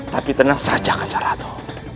tapi tenang saja kanyang ratu